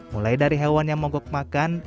mulai dari hewan yang mogok makan